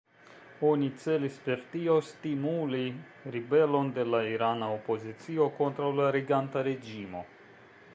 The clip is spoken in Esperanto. Oni celis per tio stimuli ribelon de la irana opozicio kontraŭ la reganta reĝimo.